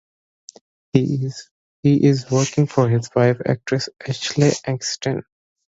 He is working for his wife, actress Ashley Eckstein.